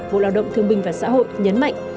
vụ lao động thương minh và xã hội nhấn mạnh